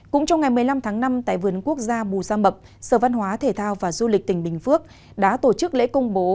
cũng trong ngày một mươi năm tháng năm tại vườn quốc gia bù gia mập sở văn hóa thể thao và du lịch tỉnh bình phước đã tổ chức lễ công bố